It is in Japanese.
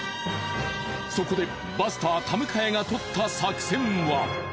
そこでバスター田迎がとった作戦は。